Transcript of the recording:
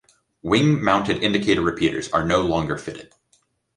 Wing-mounted indicator repeaters are no longer fitted.